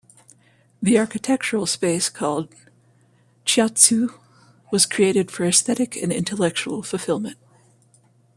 The architectural space called "chashitsu" was created for aesthetic and intellectual fulfillment.